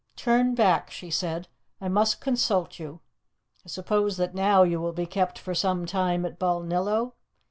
"Turn back," she said. "I must consult you. I suppose that now you will be kept for some time at Balnillo?